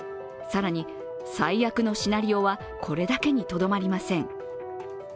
更に最悪のシナリオはこれだけにとどまりません。